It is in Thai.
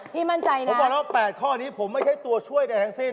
พี่มั่นใจนะโอเคแล้ว๓ข้อนี้ผมไม่ใช่ตัวช่วยในแถ่งเส้น